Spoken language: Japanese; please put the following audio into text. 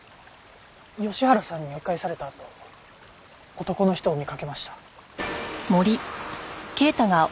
吉原さんに追い返されたあと男の人を見かけました。